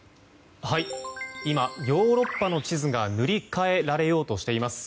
今、ヨーロッパの地図が塗り替えられようとしています。